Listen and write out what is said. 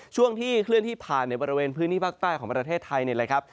ช่วงที่เคลื่อนที่ผ่านในบริเวณพื้นที่ภาคใต้ของประเทศไทยนี่แหละครับ